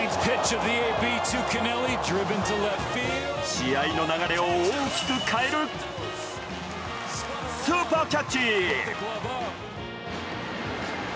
試合の流れを大きく変えるスーパーキャッチ！